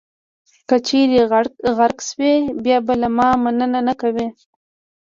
که چېرې غرق شوئ، بیا به له ما مننه نه کوئ.